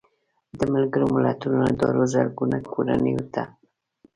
د ملګرو ملتونو ادارو زرګونو کورنیو ته